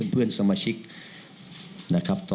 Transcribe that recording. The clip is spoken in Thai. เพื่อนสมาชิก